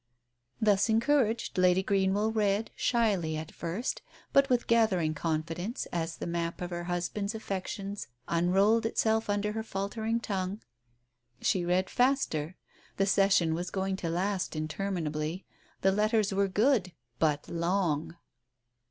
Thus encouraged, Lady Greenwell read, shyly at first, but with gathering confidence, as the map of her hus band's affection unrolled itself under her faltering tongue. She read faster. The session was going to last interminably, the letters were good, but long